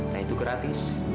nah itu gratis